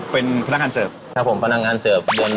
เป็นพนักงานเสิร์ฟ